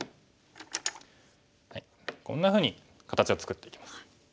こんなふうに形を作っていきます。